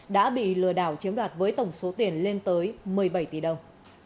đã bị lừa đảo chiếm đoạt với tổng số tiền lên tới một mươi bảy tỷ đồng